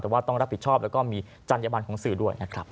แต่ว่าต้องรับผิดชอบแล้วก็มีจัญญบันของสื่อด้วยนะครับ